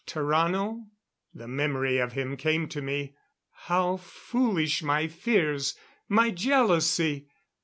Tarrano? The memory of him came to me. How foolish my fears, my jealousy!